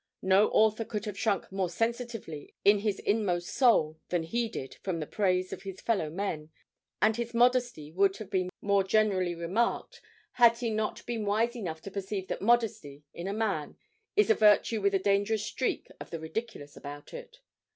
No author could have shrunk more sensitively in his inmost soul than he did from the praise of his fellow men, and his modesty would have been more generally remarked had he not been wise enough to perceive that modesty, in a man, is a virtue with a dangerous streak of the ridiculous about it.